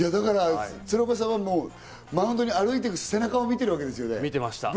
鶴岡さんがマウンドに歩いていく背中を見ていたわけですよね。